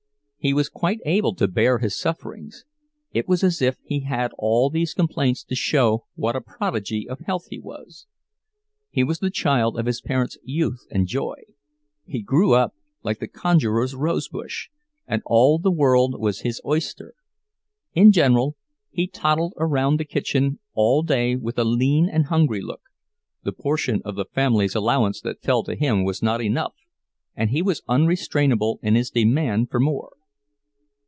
He was quite able to bear his sufferings—it was as if he had all these complaints to show what a prodigy of health he was. He was the child of his parents' youth and joy; he grew up like the conjurer's rosebush, and all the world was his oyster. In general, he toddled around the kitchen all day with a lean and hungry look—the portion of the family's allowance that fell to him was not enough, and he was unrestrainable in his demand for more.